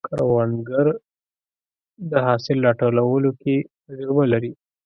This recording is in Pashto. کروندګر د حاصل راټولولو کې تجربه لري